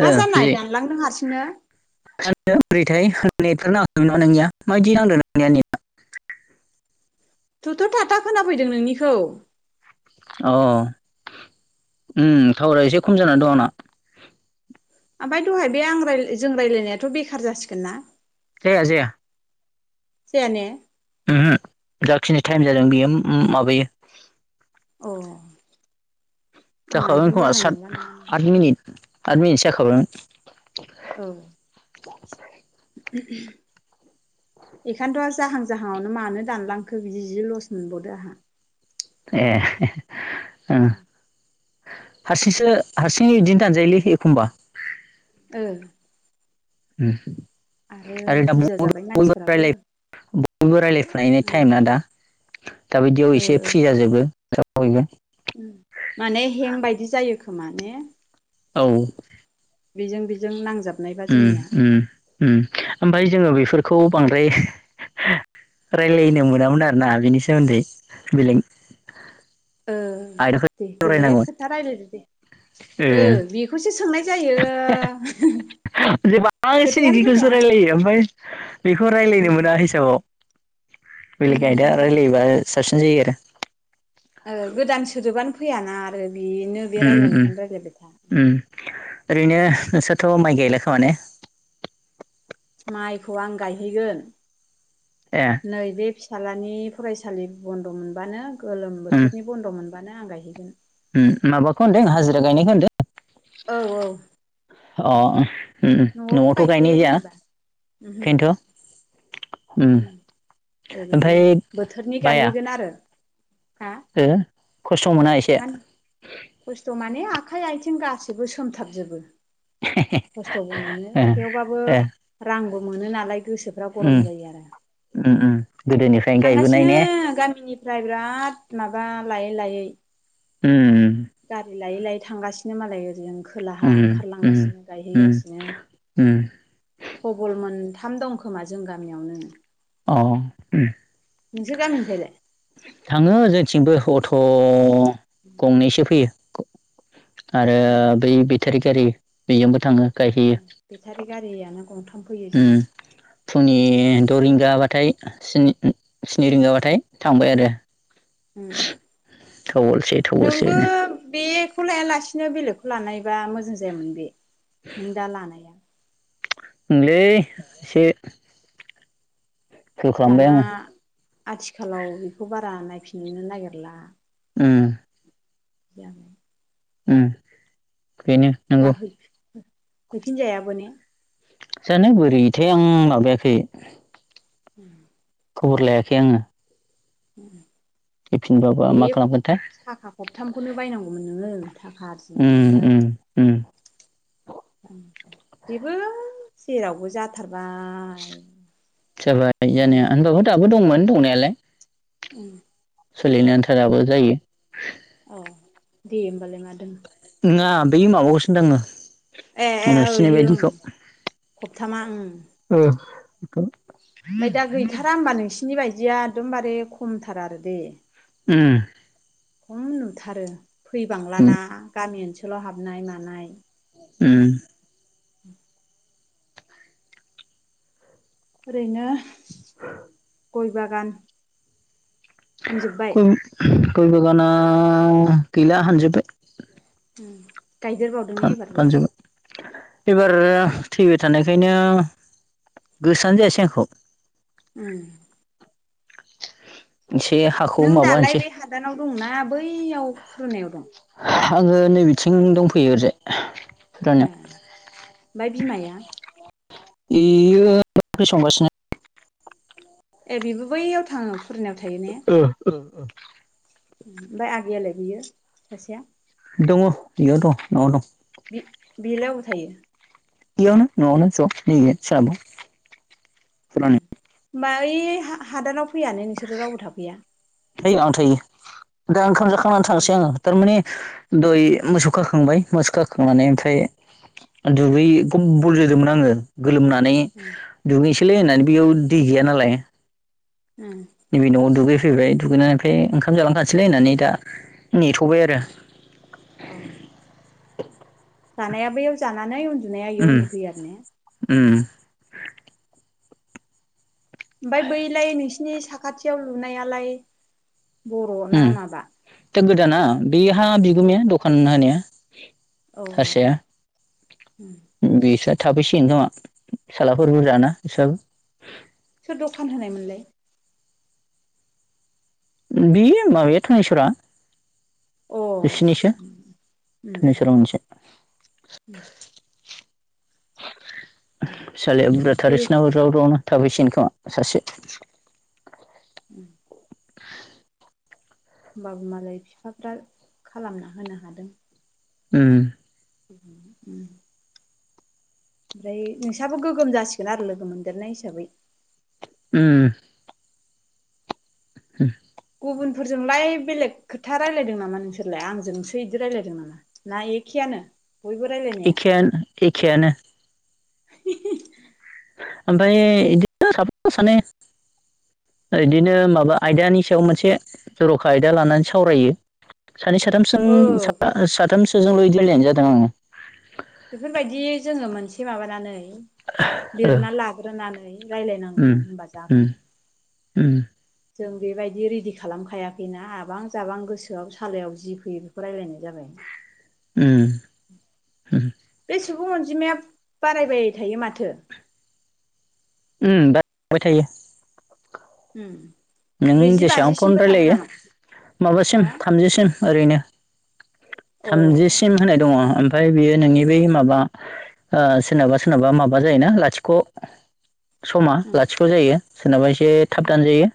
ओ मा जि जानाय दानलांदों हारसिंनो [unintelligible] थ'थ' थाथा खोना फैदों नोंनिखौ अ उम थावारा एसे खम जानानै दं आंना ओमफ्राय दहाय बे आं जों रायज्लायनायाथ' बेखार जासिगोन ना? जाया-जाया। जाया ने? ओहो जाखिनि टाइम जादों बेयो माबायो। अ। जाखाबागोन खोमा सत आट मिनिट आट मिनिटसो जाखाबायमोन। औ। [inaudible] [unintelligible] बेखायनोथ जाहां जाहांआवनो मानो दानलांखो बि जि लस मोनबावदो आंहा। एह। उम। हारसिंसो हारसिं बिदिनो दानजायोलै एखमबा। ओ। उम आरो दा बुरजा बयबो जाबाय बयबो मानसिफोराबो रायलाय बयबो रायज्लायफुनायनि टाइम ना दा दाबायदियाव एसे फ्रि जाजोबो बयबो। माने हें बायदि जायो खोमा ने। औ बेजों बेजों नांजाबनायबा उम जोंनिया। उम उम ओमफ्राय जोङो बेफोरखौ बांद्राय रायलायनो मोनामोन आरो ना बेनि सोमोन्दै बेलेक ओ दे बेलेग खोथा रायलायदो दे ओ औ बेखौसो सोंनाय जायो। [unintelligible] खोथायानो फैया रायलायो ओमफ्राय बेखौ रायज्लायनो ओं मोना हिसाबाव। बेलेग आयदा ओ रायलायोबा साबसिन जायो आरो। गोदान सोदोबानो फैयाना आरो बिनो बे उम उम रायज्लायनायखौनो रायज्लायबाय था। उम ओरैनो नोंसोरथ' माइ गायलाखोमा ने? माइखौ आं गायहैगोन ए नै बे फिज्लानि फरायसालि बन्द मोनबानो गोलोम उम बोथोरनि बन्द मोनबानो आं गायहैगोन। माबाखौ होनदों हाजिरा गायनायखौ होनदों। औ-औ। अ उम न'आवथ' गायनाय गायखाया गैया जेनेबा ओमहो बिखायनोथ। ओमफ्राय ओरैनो बोथोरनि गायहैगोन आरो। हा हो खस्थ' मोना एसे। मान खस्थ' माने आखाइ आथिं गाससिबो सोमथाबजोबो। खस्थ'बो मोनो ओ थेवबाबो ए रांबो मोनो नालाय। गोसोफ्रा उम गरम जायो आरो। उम उम गोदोनिफ्रायनो गायबोनाय थांगासिनो ने गामिनिफ्राय बिराद माबा लायै-लायै। उम। लायै-लायै थांगासिनो मालाय ओजों। खोलाहा उम उम ओंखारलांगासिनो गायहै उम गासिनो उम [unintelligible] गंथाम दं खोमा जों गामियावनो। अ उम नोंसोर गामिनिफ्रायलाय थाङो जों थिंबो अट गंनैसो फैयो। आरो उम बै बेटारि गारि बेजोंबो थाङो। गायहैयो बेटारि गारियानो गंथाम फैयो जोंना उम फुंनि दरिंगा बा थाय स्नि रिंगाबाथाय थांबाय आरो। थौवलसे नोंबो थौवलसेनो बे बेखौ लायालासिनो बेलेगखौ लानायबा मोजां जायामोन बे नों दा लानाया। ओंलै एसे फेल खालामबाय दाना आङो आथिखालाव बेखौ बारा नायफिनो नागिरला। ओम। [inaudible] ओम बिनो दा नंगौ। हैफिनजायाबो ने जानो बोरैथाय आं माबायाखै [inaudible] खबर लायाखै आङो। फैफिनबाबो बे मा खालामगोनथाय साखा खबथामखौनो बायनांगौमोन नोङो। थाखा ओम आरजिनोमोनबा ओम ओम बेबो जेरावबो जाथारबाय। जाबाय जानाया हायेनावबो होनोमबो दाबो दंमोन दंनायालाय। ओम। सोलिनो आन्था दाबो जायो। औ दे होमबालाय मा थो। नोङा बे माबागासिनो दङो। ए ए नोंसिनि ओइयो ओं बायदिखौ खबथामा ओं ओ बिखौ ओमफ्राय दा गैथारा होनबा नोंसिनि बायदिया एकदमबारे खमथार आरो दे। ओम। खम नुथारो फैबांलाना गामि ओनसोलाव हाबनाय मानाय ओम। ओरैनो [inaudible] गय बागान। फानजोब्बाय गय गय बागाना गैला हानजोबबाय। गायदेरबावदों ने एबारबो? फानजोब्बाय एबार थैबाय थानायखायनो गोसोआनो जाहोआसै आंखौ। ओम। एसे हाखौ नों माबा दालाय होनसै बे हादानाव दंना बैयाव फुरनायाव दं? आङो नै बिथिं दंफैयो ओरोयजाय। ए ओमफ्राय बिमाया? बेयो ओंख्रि संगासिनो ए बेबो बैयाव थाङो फुरानायाव थां ओ ओओ। ओमफ्राय आगैयालाय बियो सासेया? दङ' बेयाव दं न'आव दं। बेलाय अबाव थायो। इयावनो नआवनो ज नैबे सोनाबाव फुरानायाव होमबा ओइ हा-हादानाव फैयानो नोंसोर रावबो थाफैया? थायो आं थायो दा ओंखाम जाखांनानै ए थांसै आङो थारमाने दय मोसौ खाखांबाय मोसौ खाखांनानै ओमफ्राय दुगै ब-बल जोदोंमोन आङो। गोलोमनानै दुगैहोयसैलै होननानै बेयाव दै गैया नालाय नैबे नआव दुगै फैबाय दुगैनानै ओमफ्राय ओंखाम जालांखासैलै होननानै दा नेथ'बाय आरो। औ। जानाया बैयाव जानानै उन्दुनाया इयाव उम उन्दुफैयो आरो ने? उम ओमफ्राय बैलाय नोंसिनि साखाथियाव लुनायालाय उम बर'ना माबा? दा गोदाना बेहा बिगुमाया दखान होनाया। अ हारसाया बेसा थाफैसिगोन खोमा। फिसालाफोर बुरजाना बेसाबो। सोर दखान होनायमोनलाय? बेयो माबाया धनेस'रा। अ बिसिनिसो धुनुसोरांनिसो। [inaudible] फिसालाया बुरजाथार दे बिसिनाबो ज्राव ज्रावनो। थाफैसिगोन खोमा सासे। [inaudible] होमबाबो मालाय बिफाफ्रा खालामना होनो हादों। उम। उम। ओमफ्राय नोंस्राबो गोगोम जासिगोन आरो लोगो मोनदेरनाय हिसाबै। उम। [inaudible] गुबुनफोरजोंलाय बेलेग खोथा रायलायदों नामा नोंसोरलाय? आंजोंसो बिदि रायलायदों नामा? ना एखे यानो? एखेयानो एखेयानो। [unintelligible] ओमफ्याय इदिनो साफा सानै। इदिनो माबा आयदानि सायाव मोनसे जर'खा आयदा लानानै सावरायो। सानै साथामसों ओ साथामसोजोंल' इदि रायलायनाय जादों आङो। बेफोरबायदि जोङो मोनसे माबानानै ओ लिरना लाग्रोनानै उम रायलायनांगौमोन होनबा उम जागौमोन। उम जों बेबायदि रेडि खालामखायाखैना आबां जाबां गोसोआव सालायाव जि फैयो बेखौ रायलायनाय जाबाय। उम उम बे सुबुं अनजिमाया बारायबाय थायो माथो? उम बाराय [inaudible] बाय थायो। उम। नों ब्रैजि जेसेबां फन बाजिसिमबो थाङो रायलायो नामा माबासिम हो थामजिसिम ओरैनो। अ थामजिसिम होनाय दङ। ओमफ्राय बियो नोंनि बै माबा सोरनाबा सोरनाबा माबा जायोना लाथिख' समा उम लाथिख' जायो सोरनाबा एसे थाब दानजायो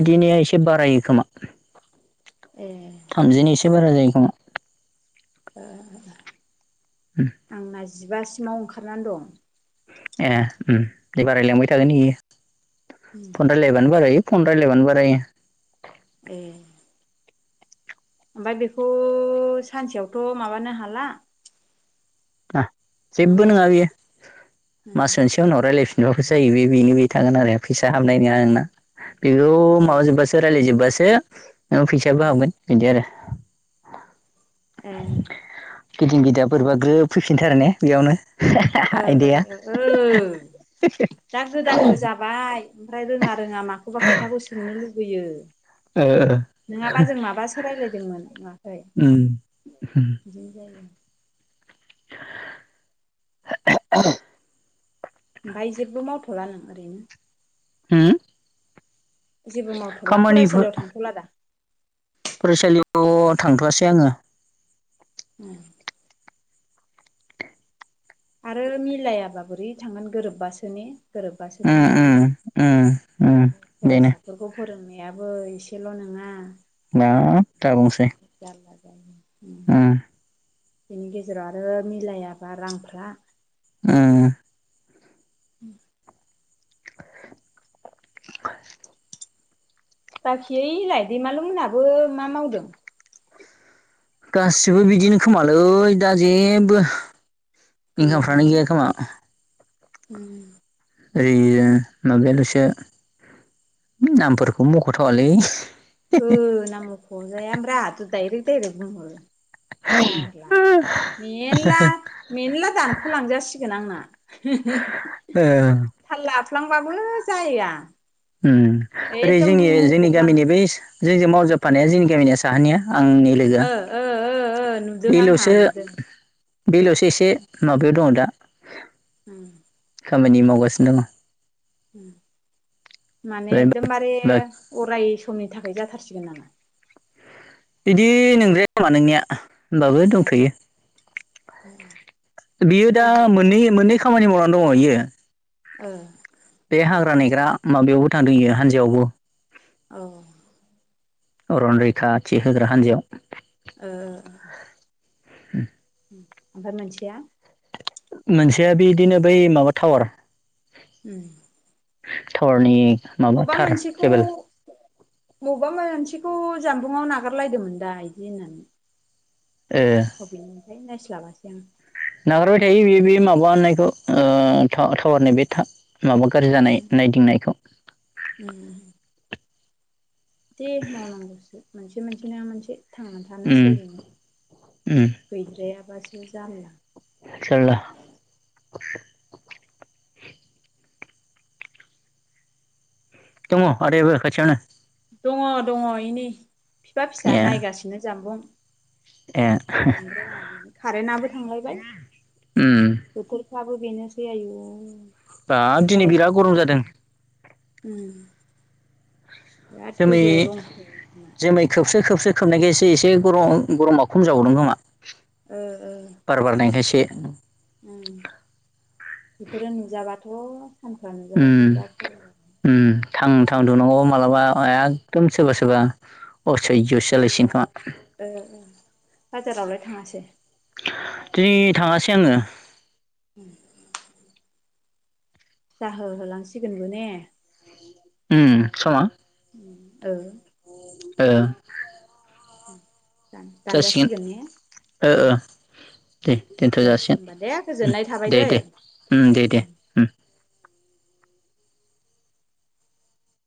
उम एसे बा रायोखोमा। एह। एसे बारा जायो खोमा। आंना जिबासिमाव ओंखारनानै दं। ए उम दे बारायलांबाय थागोन इयो फन रायलायबानो बारायो। फन रायलायबानो बारायो। एह। ओमफाय बेखौ सानसेयावथ' माबानो हाला। जेबो नङा बेयो मास मोनसे उनाव रायलायफिन बाबो जायो। बे बेनो बे थागोन आरो फैसा हाबनाय नङा नोंना। बेखौ ए माबाजोब्बासो रायज्लायजोबबासो नोङो फैसायाबो हाबगोन इदि आरो। एह। गिदिं गिदा बोरैबा ग्रोब फैफिनथारो ने बेयावनो। ओ ओ आयदाया ओ दा गोदानबो जाबाय। ओमफ्राय रोङा रोङा माखौबा खोथाखौ सोंनो लुुबैयो। ओ नङाबा जों माबासो रायज्लायदोंमोन मा? फ्राय उम बिदिनो जायो। [inaudible] ओमफ्राय जेबो मावथ'ला नों ओरैनो? हम जेबो मावथ'ला खामानिफोर फरायसालियाव थांथ'ला दा फरायसालियाव। थ' थांथ'वासै आङो। उम आरो मिलायाबा बोरै थांगोन गोरोबबासो ने? गोरोबबासो उम थांजायो उम उम उम बेनो फरायसाफोरखौ फोरोंनाय। याबो एसेल' नोङा। माद दा बुंंसै। उम बेनि गेजेराव आरो मिलायाबा रांफ्रा। उम उम। [inaudible] बाखि ओइलाय दैमालु मोनहाबो मा मावदों? गासिबो बिदिनो खोमालै दा जेबो। इंकामफ्रानो गैयाखोमा। उम ओरै माबायल'सो नामफोरखौ मख'थावालै। औ नाम मख जाया अमब्रा आहाथ' डाइरेक्ट-डाइरेक्ट बुंहरो। जारला ओ मेरला-मेरला दानख'लांजासिगोन आंना। थाल लाफ्लांबाबो जाया। उम ओरै एकदम जोंनि-जोंनि गामिनि मख'फ्लाङो बै जोंजों मावजोबफानाया जोंनि गामिनिया साहानिया। आंनि लोगोआ ओ ओ ओ नुदों आंहा बेल'सो। नुदों बेलावसो एसे माबायाव दङ दा। उम खामानि मावगासिनो दं। माने दङ एकदमबारे अराय। समनि थाखाय जाथारसिगोन नामा? बिदि नोंद्राया नामा नोंनाया। होनोमबाबो ए दंथ'यो बियो दा बाहेराव थां मोननै-मोननै। खामानि मावना दङ इयो। ओ बे हाग्रा नेग्रा माबायावबो थांदोयो हानजायावबो। औ अरनरैखाथि होग्रा हान्जायाव ओ [inaudible] ओमफ्राय मोनसेया? मोनसेया बिदिनो बै माबा टावार। उम धावारनि अबेबा मोनसेखौ बबबा मोनसे- खौ जामबुंआव नागारलायदोंमोन दा इदि होननानै। ओ अबेनि ओमफ्राय नायस्लाबासै आं। नागारबाय थायो बे बे माबा होननायखौ ओ- थावा-थावारनाय बे था माबा गाज्रि जानाय उम नायदिंनायखौ। उम दे मालांगस मोनसे मोनसि नङा मोनसे थांना थानो उम सोलिनो उम गैद्रायाबासो जाल्ला जारला दङ आदायाबो खथिआवनो दङ दङ इनै बिफा फिसा ए नायगासिनो जामबुं ए ओमफ्राय कारेन्टआबो थांलायबाय उम दाबो बेनोसै आयु बाब दिनै बिराद गरमफ्रानो गरम लासै जादों उम बिराद जोमै गोजौआव दंखो [unintelligible] जोमै खोबसो खोबसो खोबनायखायससे इसे गरम गरमा खम जाबावदों खोमा ओ ओ [inaudible] बार बारनायखायसे [unintelligible] बेफोरो नुजाबाथ' सानफ्रा नुजाबाथ' उम बिराद गरम जाग उम थां थां दुंनांग' मालाबा एखदम सोरबा सोरबा असैज्य' [unintelligible] औ बाजारावलाय थाङासै? दिनै थाङासै आङो। [unintelligible] जाहो होलांसिगोनबो ने? उम समा ओ। ओ। दा जासिगोन दानजासिगोन ने? ओ ओ दे दोनथ' दे जासिगोन होमबा दे गोजोननाय थाबाय दे दै दे [inaudible] उम दे दे उम